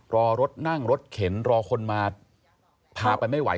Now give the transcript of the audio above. รอรถนั่งรถเข็นรอคนมาพาไปไม่ไหว